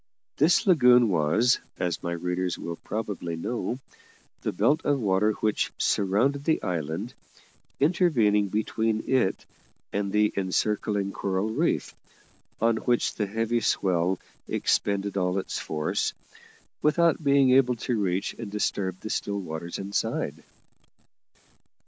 This lagoon was, as my readers will probably know, the belt of water which surrounded the island, intervening between it and the encircling coral reef, on which the heavy swell expended all its force, without being able to reach and disturb the still water inside.